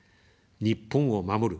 日本を守る。